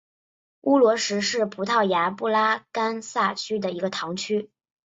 乌罗什是葡萄牙布拉干萨区的一个堂区。